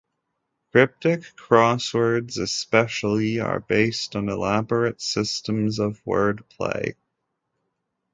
Cryptic crosswords especially are based on elaborate systems of wordplay.